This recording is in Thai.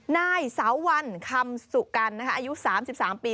นายสาววันคำสุกัณฐ์อายุ๓๓ปี